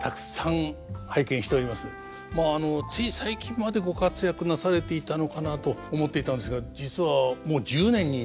まあつい最近までご活躍なされていたのかなと思っていたんですが実はもう１０年になると聞いて亡くなられて。